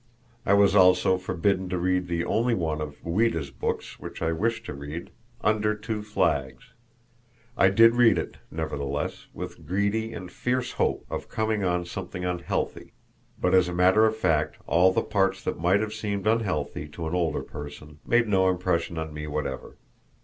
I was also forbidden to read the only one of Ouida's books which I wished to read "Under Two Flags." I did read it, nevertheless, with greedy and fierce hope of coming on something unhealthy; but as a matter of fact all the parts that might have seemed unhealthy to an older person made no impression on me whatever.